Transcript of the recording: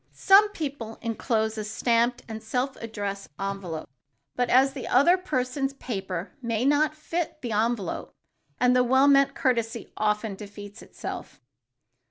Some people enclose a stamped and self addressed envelope but as the other person's paper may not fit the envelope, the well meant courtesy often defeats itself.